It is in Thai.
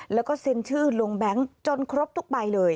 แล้วก็เซ็นชื่อลงแบงค์จนครบทุกใบเลย